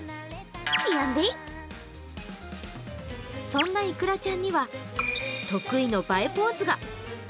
そんないくらちゃんには得意の映えポーズが。